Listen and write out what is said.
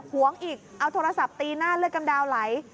หวงอีกเอาโทรศัพท์ตีหน้าเลือดกำดาวไหล